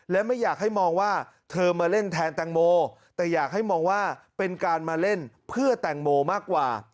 และไม่อยากให้มองว่าเธอมาเล่นแทนแตงโมแต่อยากให้มองว่าเป็นการมาเล่นเพื่อแตงโมมากกว่า